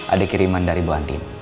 ada kiriman dari bu anti